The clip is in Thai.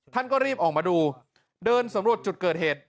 ท่านก็รีบออกมาดูเดินสำรวจจุดเกิดเหตุ